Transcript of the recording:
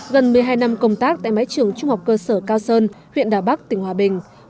gần một mươi hai năm công tác tại mái trường trung học cơ sở cao sơn huyện đà bắc tỉnh hòa bình